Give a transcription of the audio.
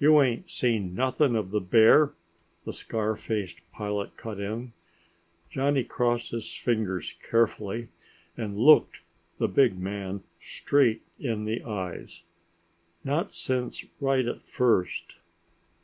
"You ain't seen nothing of the bear?" the scar faced pilot cut in. Johnny crossed his fingers carefully and looked the big man straight in the eyes. "Not since right at first!"